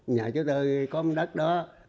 nhà chú tư có đất đó